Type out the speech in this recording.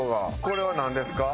これはなんですか？